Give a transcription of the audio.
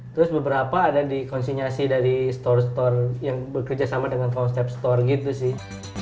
terus beberapa ada di konsinyasi dari store store yang bekerja sama dengan konsep store gitu sih